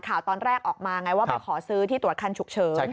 ข่าวตอนแรกออกมาไงว่าไปขอซื้อที่ตรวจคันฉุกเฉิน